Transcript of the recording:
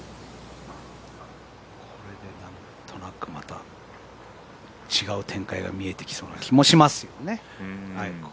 これで何となくまた違う展開が見えてきそうな気もしますよね。